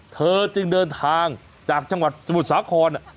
เธอจึงเดินทางจากจังหวัดสมุทรสาคร